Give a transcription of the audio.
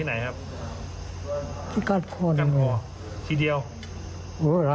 ฮะอยู่บนเก้าอี้เหรอฮะ